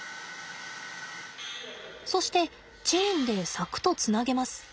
そしてチェーンで柵とつなげます。